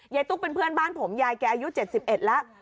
ตุ๊กเป็นเพื่อนบ้านผมยายแกอายุ๗๑แล้ว